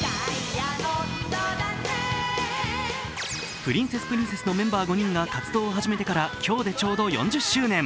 プリンセスプリンセスのメンバー５人が活動を始めてから今日でちょうど４０周年。